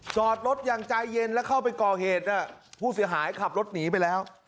จอดรถอย่างใจเย็นแล้วเข้าไปก่อเหตุผู้เสียหายขับรถหนีไปแล้ว